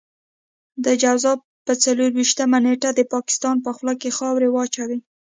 د جوزا په څلور وېشتمه نېټه د پاکستان په خوله کې خاورې واچوئ.